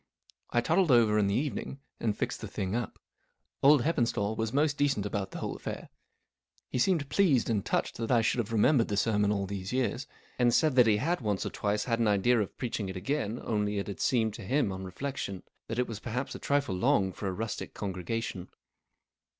I toddled over in the evening and fixed the thing up. Old Heppenstall was most decent about the whole affair. He seemed pleased and touched that I should have remembered the sermon all these years, and said he had once or twice had an idea of preaching it again, only it had seemed to him, on reflection, that it was perhaps a trifle long for a rustic congregation.